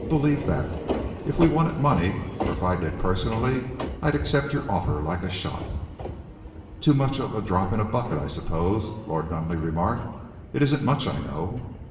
Believe that. If we wanted money, or if I did personally, I'd accept your offer like a shot." "Too much of a drop in the bucket, I suppose," Lord Nunneley remarked. "It isn't much, I know."